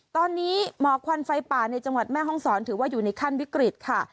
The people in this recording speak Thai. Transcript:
ตอนนี้หมอกควันไฟป่าในจังหวัดแม่ห้องศรถือว่าอยู่ในขั้นวิกฤตค่ะ